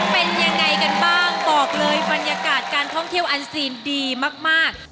เป็นยังไงกันบ้างบอกเลยบรรยากาศการท่องเที่ยวอันซีนดีมาก